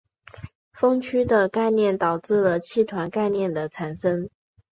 锋区的概念导致了气团概念的产生。